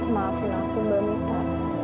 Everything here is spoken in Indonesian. maafin aku mbak mita